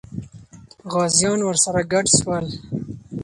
غازیان ورسره ګډ سول.